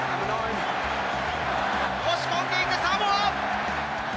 押し込んでいくサモア。